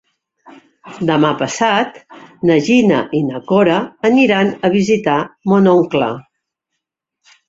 Demà passat na Gina i na Cora aniran a visitar mon oncle.